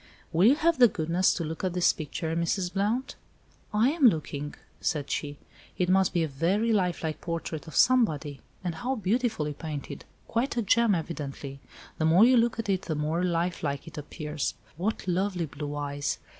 "Will you have the goodness to look at this picture, Mrs. Blount?" "I am looking," said she. "It must be a very life like portrait of somebody. And how beautifully painted! Quite a gem, evidently. The more you look at it the more life like it appears. What lovely blue eyes!